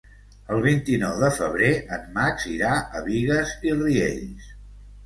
El vint-i-nou de febrer en Max irà a Bigues i Riells.